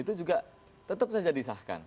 itu juga tetap saja disahkan